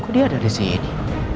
dia dari sini